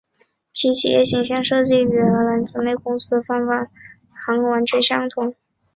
其企业形象设计与位于荷兰的姊妹公司泛航航空完全相同。